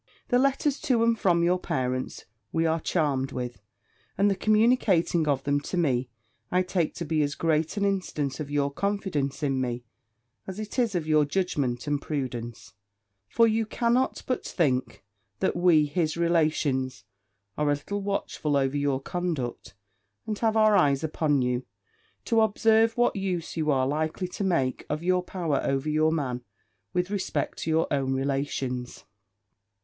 The letters to and from your parents, we are charmed with, and the communicating of them to me, I take to be as great an instance of your confidence in me, as it is of your judgment and prudence; for you cannot but think, that we, his relations, are a little watchful over your conduct, and have our eyes upon you, to observe what use you are likely to make of your power over your man, with respect to your own relations.